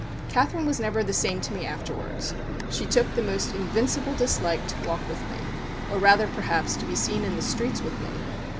Catherine was never the same to me afterwards she took the most invincible dislike to walk with me, or rather, perhaps, to be seen in the streets with me.